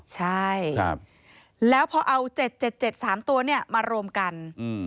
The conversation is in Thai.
ใช่ครับแล้วพอเอาเจ็ดเจ็ดเจ็ดสามตัวเนี้ยมารวมกันอืม